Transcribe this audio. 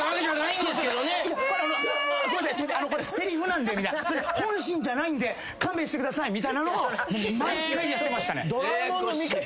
これせりふなんで本心じゃないんで勘弁してくださいみたいなのを毎回やってましたね。